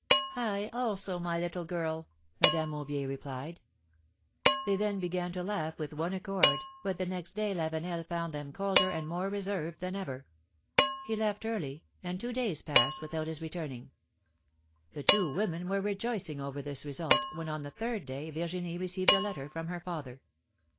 '^ I also, my little girl,^^ Madame Aubier replied. PHILOMENE's MARPvIAGES. They then began to laugh with one accord, but the next day Lavenel found them colder and more reserved than ever. He left early, and two days passed without his returning. The two women were rejoicing over this result, when on the third day Virginie received a letter from her father.